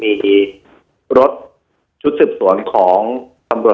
วันนี้แม่ช่วยเงินมากกว่า